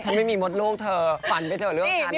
ไม่มีมดลูกเธอฝันไปเถอะเรื่องฉัน